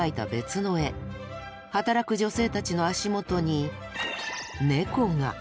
働く女性たちの足元にネコが！